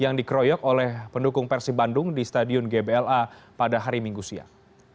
yang dikeroyok oleh pendukung persib bandung di stadion gbla pada hari minggu siang